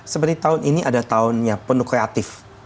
seperti tahun ini ada tahun yang penuh kreatif